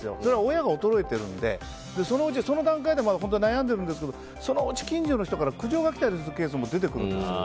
親が衰えているのでそのうち、その段階でまだ悩んでるんですけどそのうち、近所の人から苦情が来たりするケースも出てくるんですよ。